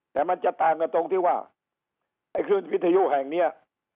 และมันจะตามกับตรงที่ว่าเมื่อวิทยุแห่งเมื่อ